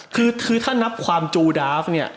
คือถ้านับความจูดาฟเนี่ย